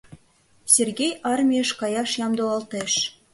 Сергей армийыш каяш ямдылалтеш.